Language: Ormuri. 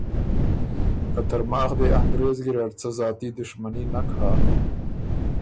که ترماخ دې انګرېز ګیرډ څه زاتي دُشمني نک هۀ،